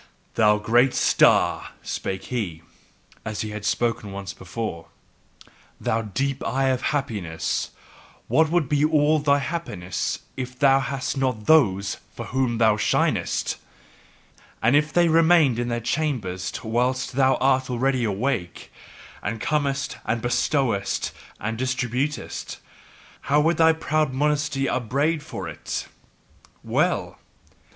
"Thou great star," spake he, as he had spoken once before, "thou deep eye of happiness, what would be all thy happiness if thou hadst not THOSE for whom thou shinest! And if they remained in their chambers whilst thou art already awake, and comest and bestowest and distributest, how would thy proud modesty upbraid for it! Well!